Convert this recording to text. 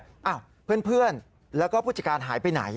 อ้าวเพื่อนแล้วก็ผู้จัดการหายไปไหน